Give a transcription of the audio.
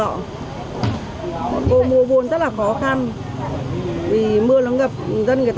bọn cô mua buôn rất là khó khăn